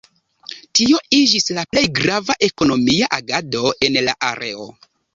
Tio iĝis la plej grava ekonomia agado en la areo.